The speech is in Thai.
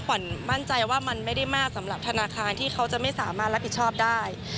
ขวัญมั่นใจว่ามันไม่ได้มากสำหรับธนาคารที่เขาจะไม่สามารถรับผิดชอบได้